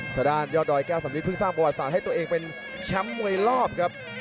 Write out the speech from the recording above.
ส่วนด้านยอดดอยเก้าสำนึกเภรึกสร้างประวัติศาสตร์ให้ตัวเองเป็นช้ำมัยรอบครับ